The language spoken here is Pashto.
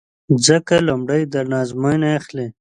ځکه لومړی در نه ازموینه اخلي